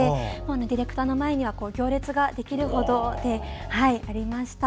ディレクターの前には行列ができるほどでした。